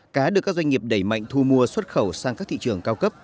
cá được các doanh nghiệp đẩy mạnh thu mua xuất khẩu sang các thị trường cao cấp